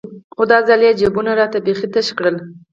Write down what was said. خو دا ځل يې جيبونه راته بيخي تش كړل.